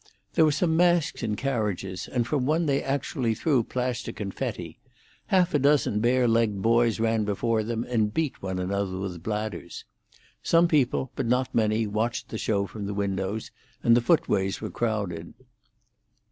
There were some masks in carriages, and from one they actually threw plaster confetti; half a dozen bare legged boys ran before and beat one another with bladders, Some people, but not many, watched the show from the windows, and the footways were crowded.